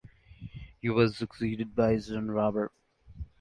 He was succeeded by his son Robert.